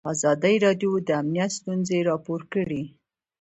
ازادي راډیو د امنیت ستونزې راپور کړي.